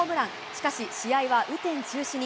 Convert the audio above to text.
しかし、試合は雨天中止に。